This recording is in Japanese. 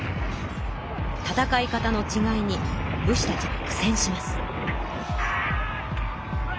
戦い方のちがいに武士たちは苦戦します。